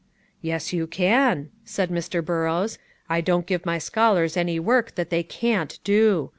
"Yes, you can," said Mr. Burrows; "I don't give my scholars any work that they can't do.